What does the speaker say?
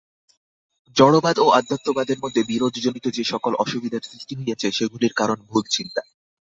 জড়বাদ ও অধ্যাত্মবাদের মধ্যে বিরোধজনিত যে-সকল অসুবিধার সৃষ্টি হইয়াছে, সেগুলির কারণ ভুল চিন্তা।